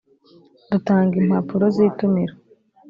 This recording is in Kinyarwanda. dutanga impapuro z’itumira